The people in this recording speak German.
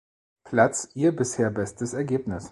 Platz ihr bisher bestes Ergebnis.